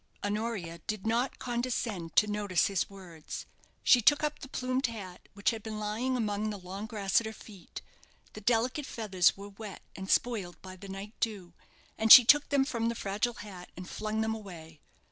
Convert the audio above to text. Honoria did not condescend to notice his words. She took up the plumed hat, which had been lying among the long grass at her feet. The delicate feathers were wet and spoiled by the night dew, and she took them from the fragile hat and flung them away.